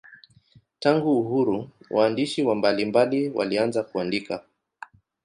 Tangu uhuru waandishi mbalimbali walianza kuandika.